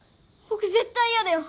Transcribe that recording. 僕絶対嫌だよ！